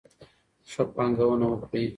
ښه پانګونه وکړئ.